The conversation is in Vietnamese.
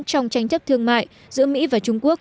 trong tranh chấp thương mại giữa mỹ và trung quốc